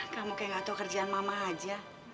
kamu kayak gak tau kerjaan mama aja